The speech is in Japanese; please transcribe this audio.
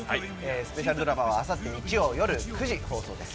スペシャルドラマはあさって日曜夜９時放送です。